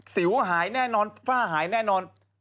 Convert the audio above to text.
สิวหายแน่นอนฝ้าหายแน่นอน